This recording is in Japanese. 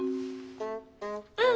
うん！